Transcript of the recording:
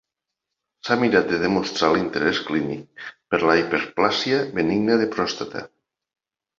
S'ha mirat de demostrar l'interès clínic per a la hiperplàsia benigna de pròstata.